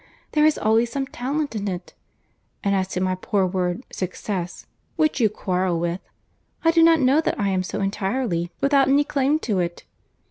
There is always some talent in it. And as to my poor word 'success,' which you quarrel with, I do not know that I am so entirely without any claim to it.